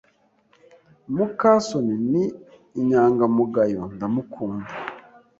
muka soni ni inyangamugayo, ndamukunda.